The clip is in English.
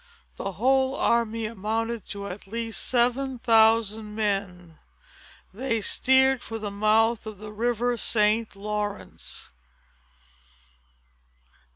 The whole army amounted to at least seven thousand men. They steered for the mouth of the river St. Lawrence.